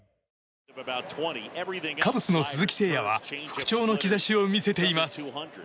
カブスの鈴木誠也は復調の兆しを見せています。